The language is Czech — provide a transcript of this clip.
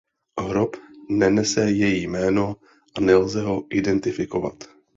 Hrob nenese její jméno a nelze ho identifikovat.